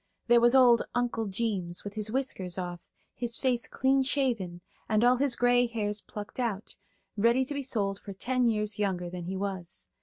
There was old "Uncle Jeems," with his whiskers off, his face clean shaven, and all his gray hairs plucked out, ready to be sold for ten years younger than he was.